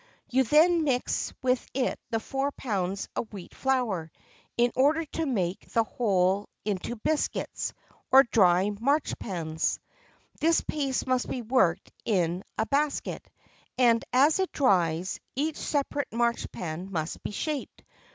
You then mix with it the four pounds of wheat flour, in order to make the whole into biscuits, or dry marchpans. This paste must be worked in a basket, and, as it dries, each separate marchpan must be shaped.